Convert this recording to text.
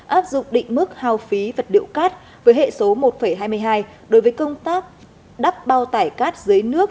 áp dụng định mức hào phí vật điệu cát với hệ số một hai mươi hai đối với công tác đắp bao tải cát dưới nước